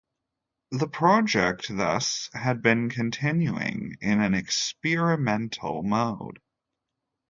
The project thus had been continuing in an experimental mode.